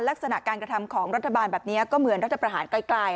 ลักษณะการกระทำของรัฐบาลแบบนี้ก็เหมือนรัฐประหารไกล